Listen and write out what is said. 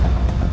masa ini bapak